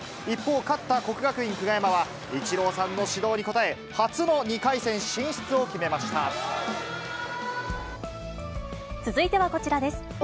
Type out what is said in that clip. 一方、勝った國學院久我山はイチローさんの指導に応え、初の２回戦進出続いてはこちらです。